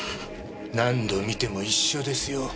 何度見ても一緒ですよ。